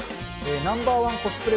ナンバー１コスプレ